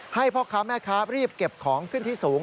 ให้พ่อค้าแม่ค้ารีบเก็บของขึ้นที่สูง